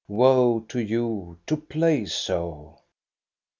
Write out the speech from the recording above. Woe to you, to play so.